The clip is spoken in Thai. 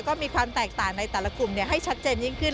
ก็มีความแตกต่างในแต่ละกลุ่มให้ชัดเจนยิ่งขึ้น